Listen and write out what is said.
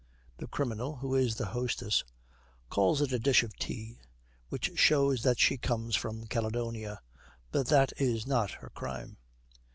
The criminal, who is the hostess, calls it a dish of tea, which shows that she comes from Caledonia; but that is not her crime.